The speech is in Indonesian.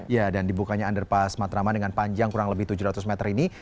ya dan dibukanya underpass matraman dengan panjang kurang lebih tujuh ratus meter ini